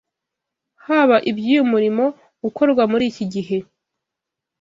Haba iby’uyu murimo ukorwa muri iki gihe